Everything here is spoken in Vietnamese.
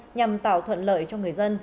nhằm tạo thuận lợi cho người dân